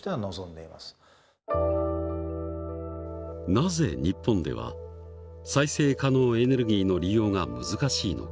なぜ日本では再生可能エネルギーの利用が難しいのか？